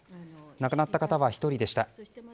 亡くなった方は１人でした。